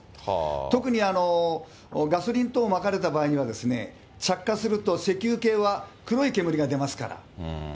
特にガソリン等まかれた場合には、着火すると石油系は黒い煙が出ますから。